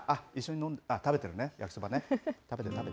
一緒に食べてるね、焼きそばね。